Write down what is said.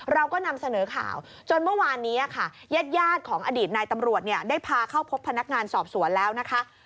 เราก็นำเสนอข่าวจนเมื่อวานนี้ค่ะญาติของอดีตนายตำรวจเนี่ยได้พาเข้าพบพนักงานสอบสวนแล้วนะคะ